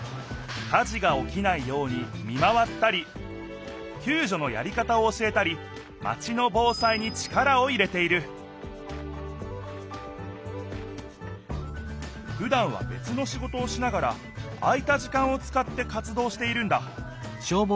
火事がおきないように見回ったりきゅうじょのやり方を教えたりマチの防災に力を入れているふだんはべつの仕事をしながら空いた時間を使って活どうしているんだ